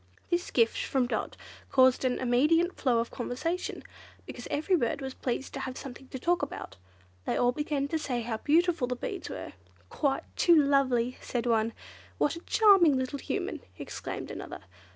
This gift from Dot caused an immediate flow of conversation, because every bird was pleased to have something to talk about. They all began to say how beautiful the beads were. "Quite too lovely!" said one. "What a charming little Human!" exclaimed another.